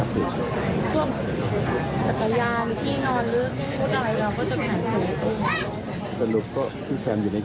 เพราะถ้าไม่งั้นเราหยุดก็ไม่ได้